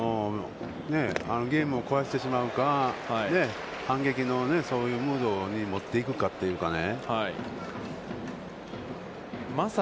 ゲームを壊してしまうか、反撃のムードに持っていくかというかね。